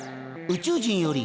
宇宙人より。